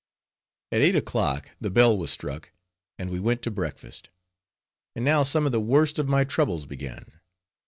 At eight o'clock the bell was struck, and we went to breakfast. And now some of the worst of my troubles began.